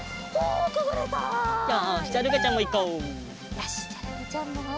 よしるかちゃんも。